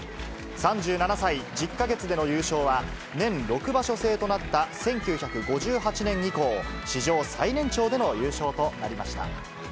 ３７歳１０か月での優勝は、年６場所制となった１９５８年以降、史上最年長での優勝となりました。